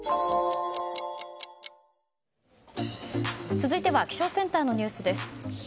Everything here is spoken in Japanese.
続いては気象センターのニュースです。